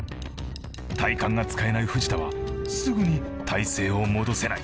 体幹が使えない藤田はすぐに体勢を戻せない。